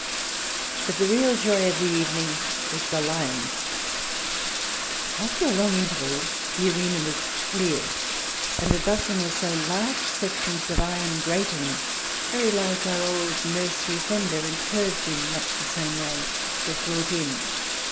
But the real joy of the evening was the lions. After a long interval the arena was cleared, and a dozen or so large sections of iron grating, very like our old nursery fender and curved in much the same way, were brought in.